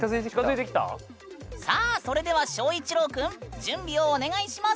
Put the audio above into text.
さあそれでは翔一郎くん準備をお願いします。